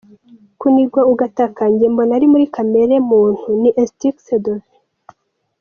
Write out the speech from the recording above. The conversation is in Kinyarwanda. Kunigwa ugataka njye mbona ari muri kamere muntu, ni instinct de vie.